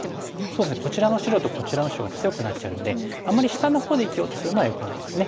そうですねこちらの白とこちらの白が強くなっちゃうんであんまり下のほうで生きようとするのはよくないですね。